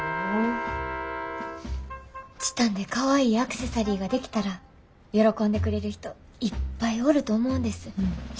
チタンでかわいいアクセサリーが出来たら喜んでくれる人いっぱいおると思うんです。